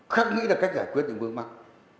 khắc nghĩ ra cách giải quyết những bước mắc